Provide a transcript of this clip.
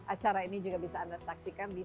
acara ini juga bisa anda saksikan di